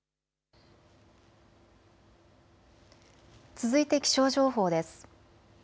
続いて気象情報です。